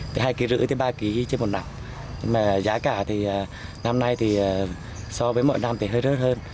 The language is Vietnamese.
thì hai ký rưỡi thì ba ký trên một năm nhưng mà giá cả thì năm nay thì so với mỗi năm thì hơi rớt hơn